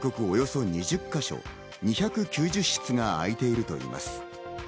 およそ２０か所、２９０室が空いているといいます。